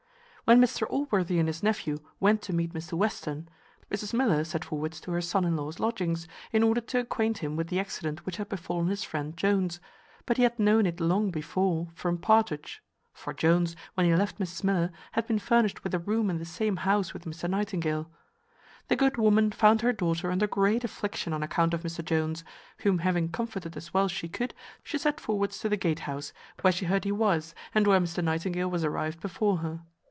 When Mr Allworthy and his nephew went to meet Mr Western, Mrs Miller set forwards to her son in law's lodgings, in order to acquaint him with the accident which had befallen his friend Jones; but he had known it long before from Partridge (for Jones, when he left Mrs Miller, had been furnished with a room in the same house with Mr Nightingale). The good woman found her daughter under great affliction on account of Mr Jones, whom having comforted as well as she could, she set forwards to the Gatehouse, where she heard he was, and where Mr Nightingale was arrived before her.